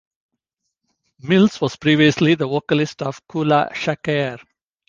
Mills was previously the vocalist of Kula Shaker.